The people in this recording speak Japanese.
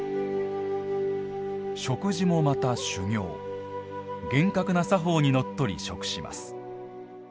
食事もまた修行厳格な作法にのっとり、食します。